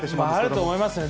あると思いますね。